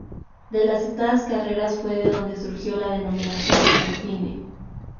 De las citadas carreras fue de donde surgió la denominación Alpine.